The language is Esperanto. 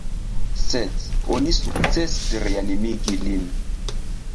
Sed oni sukcesis reanimigi lin.